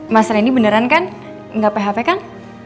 mas randy beneran kan nggak php kan